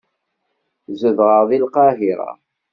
Zedɣeɣ deg Lqahira.